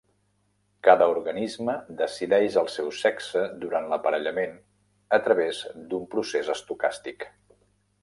Cada organisme "decideix" el seu sexe durant l'aparellament a través d'un procés estocàstic.